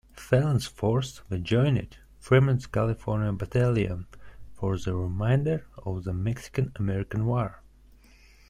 Fallon's force then joined Fremont's California Battalion for the remainder of the Mexican-American War.